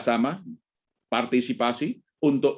saya ingin menyanyi suatu hal